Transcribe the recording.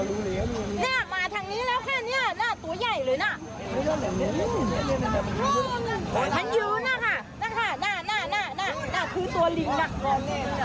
นี่มาทางนี้แล้วแค่นี้หน้าตัวยังใหญ่เลยน่ะ